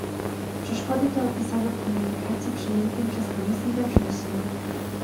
Przeszkody te opisano w komunikacie przyjętym przez Komisję we wrześniu